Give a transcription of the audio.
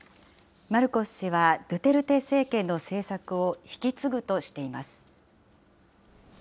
マルコス氏は、ドゥテルテ政権の政策を引き継ぐとしています。